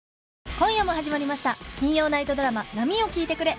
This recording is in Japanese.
今夜も始まりました金曜ナイトドラマ『波よ聞いてくれ』